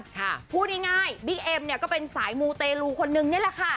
พูดง่ายง่ายบิ๊กเอ็มเนี่ยก็เป็นสายมูเตลูคนนึงนี่แหละค่ะ